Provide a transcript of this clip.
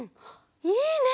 いいね！